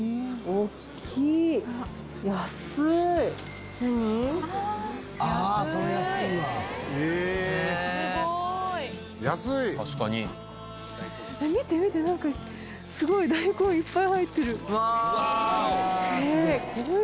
ほらこれすごい大根いっぱい入ってる！